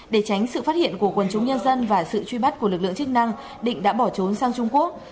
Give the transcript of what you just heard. để tránh sự phát hiện của quân chúng nhân dân và sự truy bắt của lực lượng chức năng định đã bỏ trốn sang trung quốc